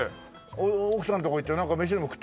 奥さんとこ行ってなんか飯でも食ってけなんて。